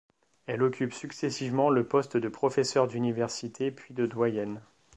Elle occupe successivement le poste de professeure d'université puis de doyenne.